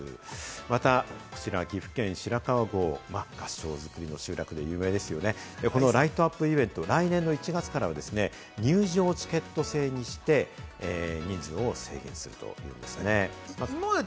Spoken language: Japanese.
またこちら岐阜県・白川郷、合掌造りの集落で有名ですよね、このライトアップイベント、来年１月からは入場チケット制にして人数を制限するということです。